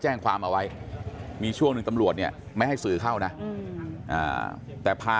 แจ้งความเอาไว้มีช่วงหนึ่งตำรวจเนี่ยไม่ให้สื่อเข้านะแต่พา